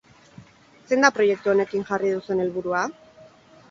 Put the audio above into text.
Zein da proiektu honekin jarri duzun helburua?